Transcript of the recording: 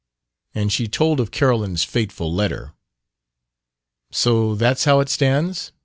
And she told of Carolyn's fateful letter. "So that's how it stands?"